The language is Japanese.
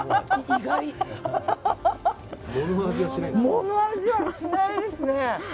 藻の味はしないですね。